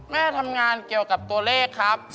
แม่ทำงานเกี่ยวกับตัวเลขครับ